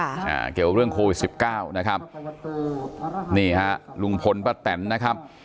อ่าเกี่ยวเรื่องโควิดสิบเก้านะครับนี่ฮะลุงพลป้าแตนนะครับ